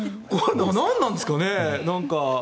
なんなんですかね。